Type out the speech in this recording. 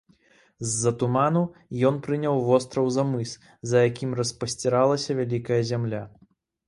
З-за туману ён прыняў востраў за мыс, за якім распасціралася вялікая зямля.